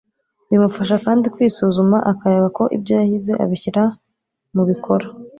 Bimufasha kandi kwisuzuma akareba ko ibyo yahize abishyira mu bikora.